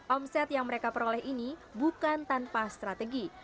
omset yang mereka peroleh ini bukan tanpa strategi